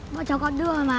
bọn cháu còn đưa rồi mà